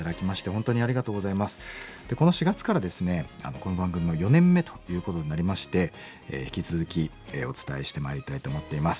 この番組も４年目ということになりまして引き続きお伝えしてまいりたいと思っています。